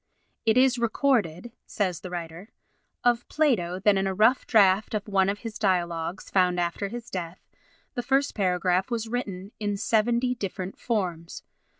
"It is recorded," says the writer, "of Plato, that in a rough draft of one of his Dialogues, found after his death, the first paragraph was written in seventy different forms.